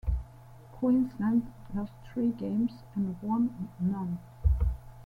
Queensland lost three games and won none.